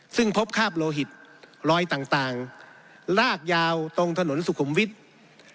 ซึ่งพบคาบโลหิตรอยต่างลากยาวตรงถนนสุขุมวิทย์